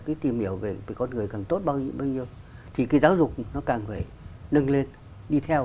cái tìm hiểu về con người càng tốt bao nhiêu bao nhiêu thì cái giáo dục nó càng phải nâng lên đi theo